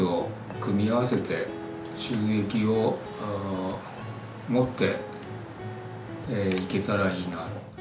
収益を持っていけたらいいなと。